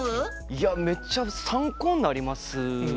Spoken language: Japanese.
いやめっちゃ参考になりますね。